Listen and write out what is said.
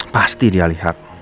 pasti dia lihat